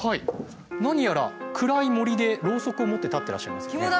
何やら暗い森でろうそくを持って立ってらっしゃいますね。